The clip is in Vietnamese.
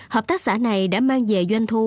hợp tác xã này đã mang về doanh thu